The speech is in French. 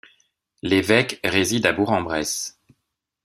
L'évêque réside à Bourg-en-Bresse.